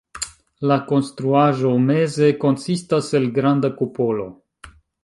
La konstruaĵo meze konsistas el granda kupolo.